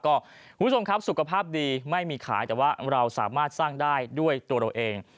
คุณผู้ชมครับสุขภาพดีไม่มีขายแต่ว่าเราสามารถสร้างได้ด้วยตัวเราเอง